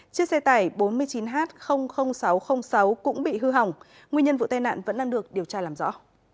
chiếc xe tải bốn mươi chín h sáu trăm linh sáu cũng bị hư hỏng nguyên nhân vụ tai nạn vẫn đang được điều tra làm rõ